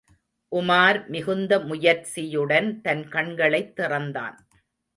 உமார் மிகுந்த முயற்சியுடன் தன் கண்களைத் திறந்தான்.